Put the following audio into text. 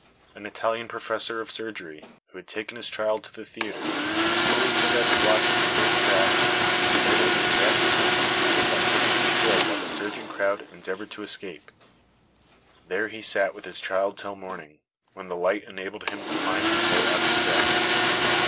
An Italian professor of surgery who had taken his child to the theatre, coolly took out his watch at the first crash, and noting the exact time, sat [Illustration: THE PANIC AT CASAMICCIOLA.] perfectly still while the surging crowd endeavored to escape. There he sat with his child till morning, when the light enabled him to find his way out of the wreck.